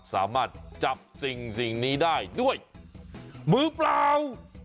สามารถจับสิ่งนี้ได้ด้วยมือเปล่า